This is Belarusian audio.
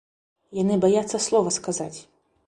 Яны баяцца слова сказаць.